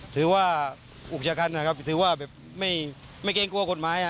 ถือว่าอุกชะกันนะครับถือว่าแบบไม่เกรงกลัวกฎหมาย